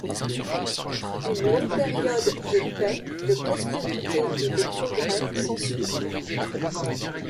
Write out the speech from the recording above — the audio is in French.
Une longue période de paix, de prospérité, et de progrès s'ensuit.